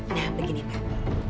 nah begini mbak